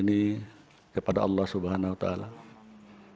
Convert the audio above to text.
kami akan mempertanggungjawabkan putusan ini kepada allah swt